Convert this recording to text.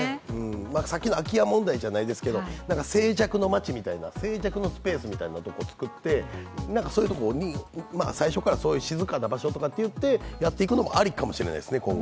さっきの空き家問題じゃないですけど、静寂の街、静寂のスペースとかを作って、そういうところに最初から静かな場所といってやっていくのも今後ありかもしれないですね。